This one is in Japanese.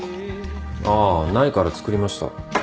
ああないから作りました。